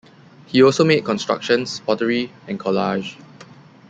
He also made constructions, pottery and collage.